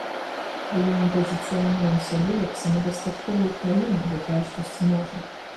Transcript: Калі мы пазіцыянуем сябе як самадастатковую краіну, якая штосьці можа.